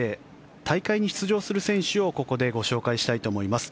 大会に出場する選手をここでご紹介したいと思います。